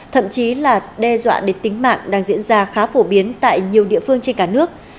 thậm chí là đe dọa đến tính mạng đang diễn ra khá phổ biến tại nhiều địa phương trên cả nước